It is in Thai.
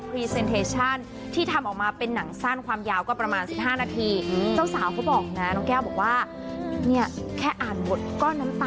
หนูรู้สึกว่ามันเป็นการบอกเล่าวิธีชีวิตคู่ได้อย่างแบบธรรมดา